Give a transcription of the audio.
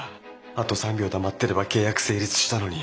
あと３秒黙ってれば契約成立したのに！